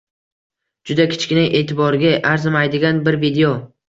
Juda kichkina, eʼtiborga arzimaydigan bir video.